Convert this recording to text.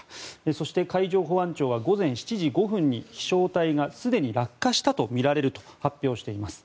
そして、海上保安庁は午前７時５分に飛翔体がすでに落下したとみられると発表しています。